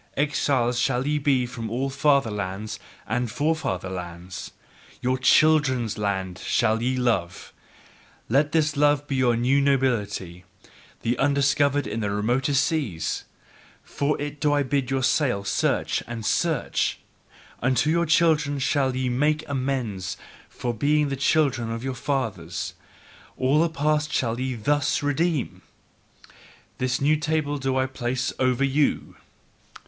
Exiles shall ye be from all fatherlands and forefather lands! Your CHILDREN'S LAND shall ye love: let this love be your new nobility, the undiscovered in the remotest seas! For it do I bid your sails search and search! Unto your children shall ye MAKE AMENDS for being the children of your fathers: all the past shall ye THUS redeem! This new table do I place over you!